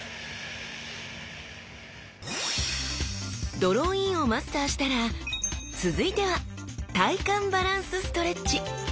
ドローインをマスターしたら続いては体幹バランスストレッチ